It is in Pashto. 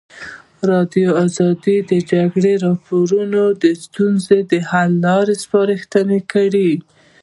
ازادي راډیو د د جګړې راپورونه د ستونزو حل لارې سپارښتنې کړي.